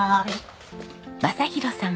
昌弘さん